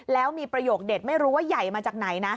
แล้วมีประโยคเด็ดไม่รู้ว่าใหญ่มาจากไหนนะ